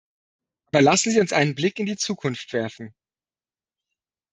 Aber lassen Sie uns einen Blick in die Zukunft werfen.